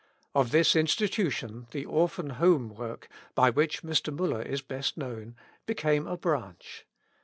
Of this Institution the Orphan Home work, by which Mr. Muller is best known, became a branch.